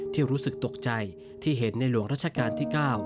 รู้สึกตกใจที่เห็นในหลวงรัชกาลที่๙